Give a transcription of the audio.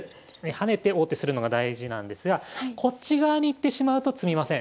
跳ねて王手するのが大事なんですがこっち側に行ってしまうと詰みません。